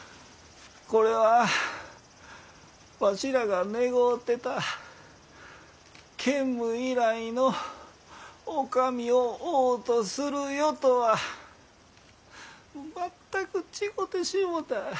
これはわしらが願うてた建武以来のお上を王とする世とは全く違うてしもた。